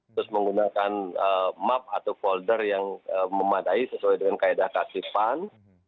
terus menggunakan map atau folder yang memadai sesuai dengan kaedah kasipan